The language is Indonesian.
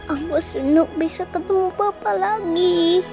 aku senang bisa ketemu bapak lagi